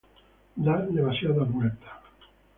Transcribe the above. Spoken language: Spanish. Da demasiadas vueltas.